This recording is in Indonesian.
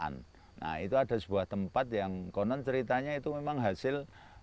nah itu ada sebuah tempat yang konon ceritanya itu memang hasil